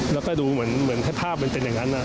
แล้วก็ดูเหมือนให้ภาพมันเป็นอย่างนั้น